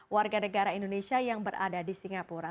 warga negara indonesia yang berada di singapura